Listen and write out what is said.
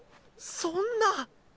そんな！